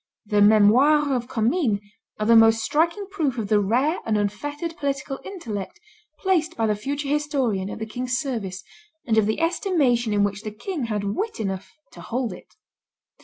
The Memoires of Commynes are the most striking proof of the rare and unfettered political intellect placed by the future historian at the king's service, and of the estimation in which the king had wit enough to hold it.